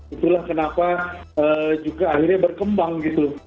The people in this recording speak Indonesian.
itulah kenapa juga akhirnya berkembang gitu